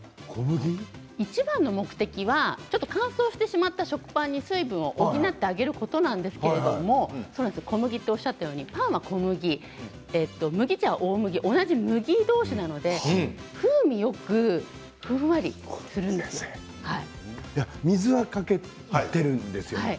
いちばんの目的はちょっと乾燥してしまった食パンに水分を補ってあげることなんですけれど麦とおっしゃったようにパンは小麦麦茶は大麦、同じ麦同士なので水はかけているんですよ